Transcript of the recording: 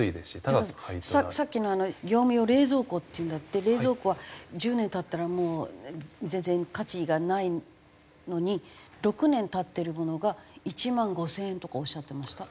さっきの業務用冷蔵庫っていうのだって冷蔵庫は１０年経ったらもう全然価値がないのに６年経ってるものが１万５０００円とかおっしゃってました。